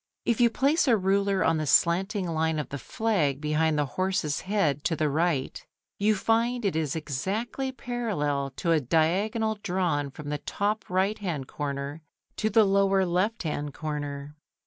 If you place a ruler on the slanting line of the flag behind the horse's head to the right, you find it is exactly parallel to a diagonal drawn from the top right hand corner to the lower left hand corner.